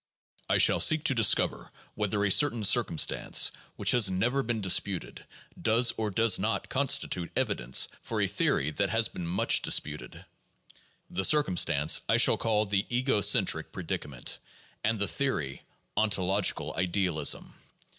I shall seek to discover whether a certain circumstance, which has never been disputed, does or does not constitute evidence for a theory that has been much disputed. The circumstance I shall call the ego centric predicament, and the theory, ontological idealism.